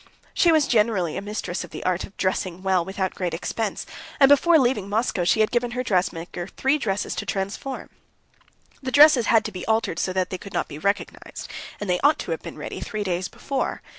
She was generally a mistress of the art of dressing well without great expense, and before leaving Moscow she had given her dressmaker three dresses to transform. The dresses had to be altered so that they could not be recognized, and they ought to have been ready three days before.